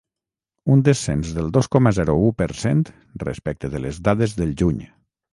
Un descens del dos coma zero u per cent respecte de les dades del juny.